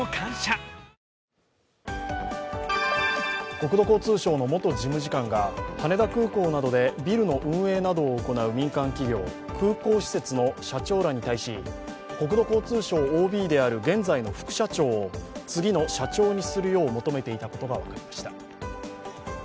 国土交通省の元事務次官が羽田空港などでビルの運営などを行う民間企業空港施設の社長らに対し国土交通省ＯＢである現在の副社長を次の社長にするよう求めていたことが分かりました。